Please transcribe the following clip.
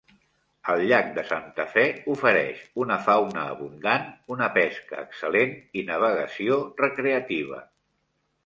El llac de Santa Fe ofereix una fauna abundant, una pesca excel·lent i navegació recreativa.